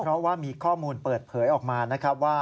เพราะว่ามีข้อมูลเปิดเผยออกมานะครับว่า